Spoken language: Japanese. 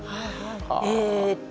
えっと